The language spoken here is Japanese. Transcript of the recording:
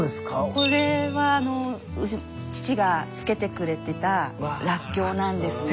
これは父が漬けてくれてたらっきょうなんですね。